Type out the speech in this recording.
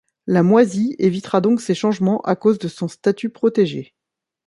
La Moisie évitera donc ces changements à cause de son statut protégé.